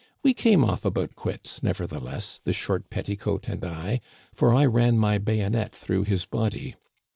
We came off about quits, nevertheless, the * short petti coat ' and I, for I ran my bayonet through his body.